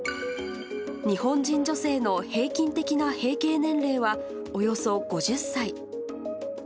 日本人女性の平均的な閉経年齢は、およそ５０歳。